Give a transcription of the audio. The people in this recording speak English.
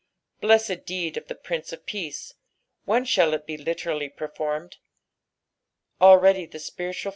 Blessed deed of the Prince of Peace ! when shall it be literslly performed ! Already the spiritual.